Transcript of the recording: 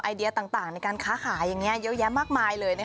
เดียต่างในการค้าขายอย่างนี้เยอะแยะมากมายเลย